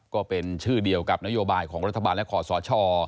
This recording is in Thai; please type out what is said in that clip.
ก็เป็นชื่อเดียวกับนโยบายของรัฐบาลและขอสช